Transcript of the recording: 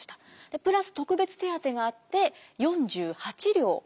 プラス特別手当があって４８両。